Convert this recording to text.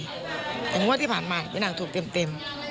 อย่างนึงว่าที่ผ่านมาพี่นางถูกเต็ม